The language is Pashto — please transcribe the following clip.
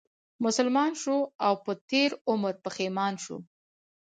مسلمان شو او په تېر عمر پښېمان شو